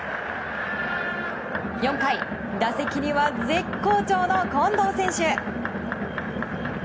４回、打席には絶好調の近藤選手。